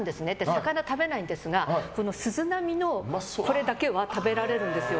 魚食べないんですが、鈴波のこれだけは食べられるんですよ。